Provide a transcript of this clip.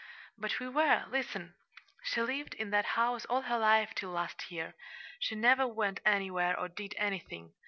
"But we were listen! She lived in that house all her life till last year. She never went anywhere or did anything.